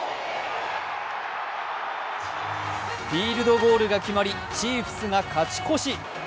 フィールドゴールが決まり、チーフスが勝ち越し。